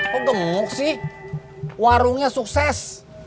kok gemuk sih warungnya sukses